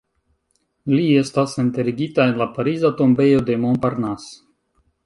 Li estas enterigita en la pariza tombejo de Montparnasse.